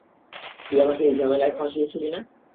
তুই আমাকে এই ঝামেলায় ফাঁসিয়েছিলি না?